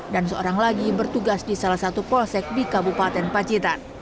dan seorang lagi bertugas di salah satu polsek di kabupaten pacitan